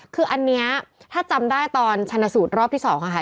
คืออันนี้ถ้าจำได้ตอนชนสูตรรอบที่๒ค่ะ